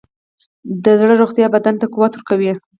د زړه روغتیا بدن ته قوت ورکوي.